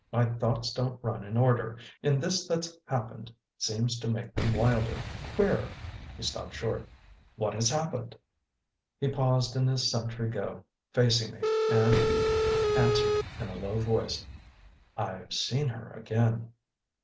My thoughts don't run in order, and this that's happened seems to make them wilder, queerer " He stopped short. "What has happened?" He paused in his sentry go, facing me, and answered, in a low voice: "I've seen her again."